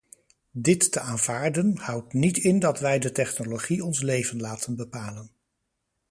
Dit te aanvaarden, houdt niet in dat wij de technologie ons leven laten bepalen.